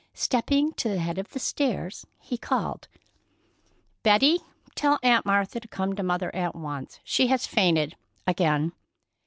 Stepping to the head of the stairs, he called: "Betty, tell Aunt Martha to come to Mother at once. She has fainted again."